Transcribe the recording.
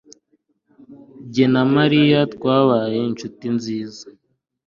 jye na mariya twabaye inshuti nziza